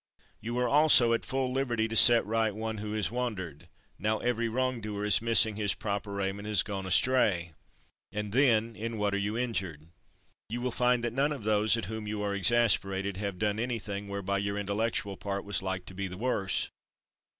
You are also at full liberty to set right one who has wandered; now every wrong doer is missing his proper aim and has gone astray. And then, in what are you injured? You will find that none of those at whom you are exasperated have done anything whereby your intellectual part was like to be the worse.